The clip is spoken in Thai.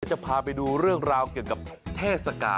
จะพาไปดูเรื่องราวเกี่ยวกับเทศกาล